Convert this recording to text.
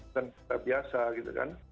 bukan biasa gitu kan